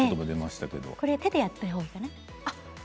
手でやったほうがいいかな。